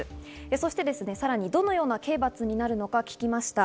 そしてさらにどのような刑罰になるのか聞きました。